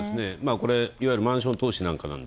これ、いわゆるマンション投資。